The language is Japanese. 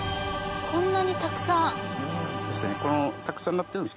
こんなにたくさん。